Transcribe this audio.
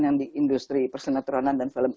yang di industri persenatronan dan film